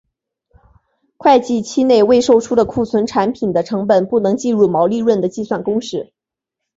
会计期内未售出的库存产品的成本不能计入毛利润的计算公式。